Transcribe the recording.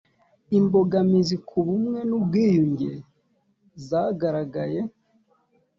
imbogamizi ku bumwe n ubwiyunge zagaragaye